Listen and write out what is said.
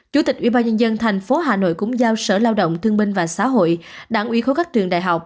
chủ tịch ubnd tp hà nội cũng giao sở lao động thương binh và xã hội đảng uy khối các trường đại học